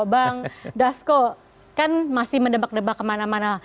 bang dasko kan masih mendebak debak kemana mana